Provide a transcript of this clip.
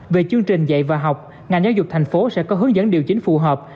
về chương trình dạy và học ngành giáo dục thành phố sẽ có hướng dẫn điều chỉnh phù hợp